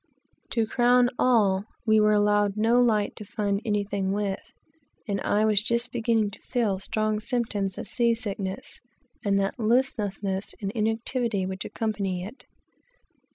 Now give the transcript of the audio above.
To crown all, we were allowed no light to find anything with, and I was just beginning to feel strong symptoms of sea sickness, and that listlessness and inactivity which accompany it.